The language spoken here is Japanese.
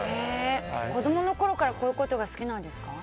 子供のころからこういうことが好きなんですか？